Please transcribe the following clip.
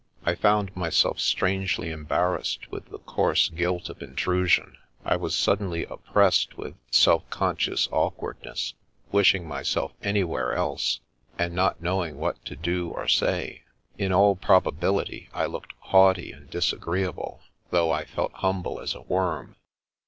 I found myself strangely embarrassed with the coarse guilt of intrusion. I was suddenly oppressed with self conscious awkwardness, wishing mjrself an)nvhere else, and not knowing what to do or say. In all probability I looked haughty and disagreeable, though I felt humble as a worm.